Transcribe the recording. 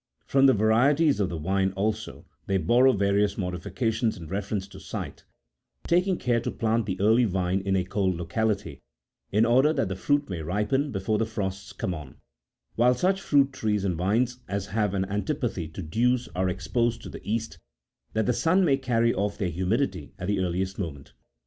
Prom the varieties of the vine also, they borrow various modifica tions in reference to site ; taking care to plant the early vine in a cold locality, in order that the fruit may ripen before the frosts come on ; while such fruit trees and vines as have an anti pathy to dews are exposed to the east, that the sun may carry off their humidity at the earliest moment.